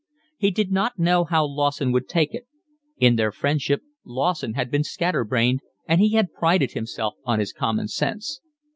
He did not know how Lawson would take it. In their friendship Lawson had been scatter brained and he had prided himself on his common sense.